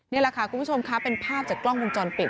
นี่แหละค่ะคุณผู้ชมค่ะเป็นภาพจากกล้องวงจรปิด